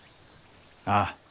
ああ。